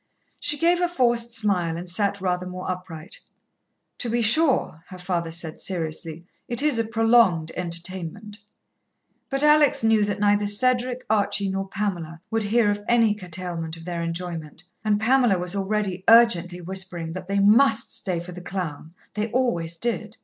She gave a forced smile and sat rather more upright. "To be sure," her father said seriously, "it is a prolonged entertainment." But Alex knew that neither Cedric, Archie nor Pamela would hear of any curtailment of their enjoyment, and Pamela was already urgently whispering that they must stay for the clown they always did.